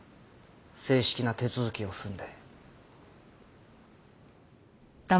正式な手続きを踏んで。